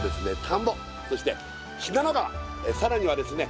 田んぼそして信濃川さらにはですね